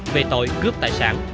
về tội cướp tài sản